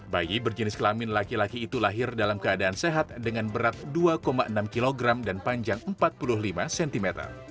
bayi berjenis kelamin laki laki itu lahir dalam keadaan sehat dengan berat dua enam kg dan panjang empat puluh lima cm